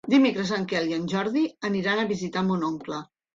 Dimecres en Quel i en Jordi aniran a visitar mon oncle.